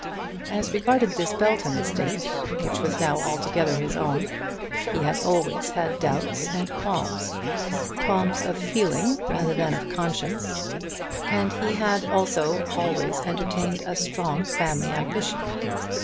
As regarded this Belton estate, which was now altogether his own, he had always had doubts and qualms, qualms of feeling rather than of conscience; and he had, also, always entertained a strong family ambition.